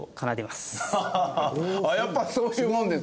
やっぱそういうものですか！